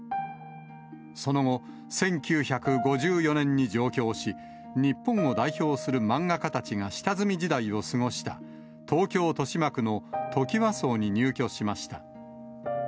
その後、１９５４年に上京し、日本を代表する漫画家たちが下積み時代を過ごした、東京・豊島区のトキワ荘に入居しました。